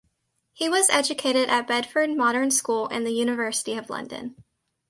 He was educated at Bedford Modern School and the University of London.